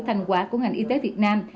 thành quả của ngành y tế việt nam